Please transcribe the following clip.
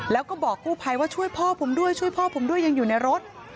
แล้วก็บอกกู้ภัยว่าช่วยพ่อผมด้วยช่วยพ่อผมด้วยยังอยู่ในรถ